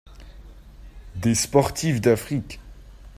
Des sportives d'Afrique.